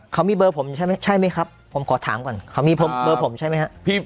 เขามีเบอร์ผมอยู่ใช่ไหมใช่ไหมครับผมขอถามก่อนเขามีเบอร์ผมใช่ไหมครับ